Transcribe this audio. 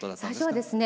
最初はですね